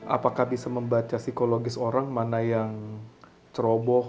apakah bisa membaca psikologis orang mana yang ceroboh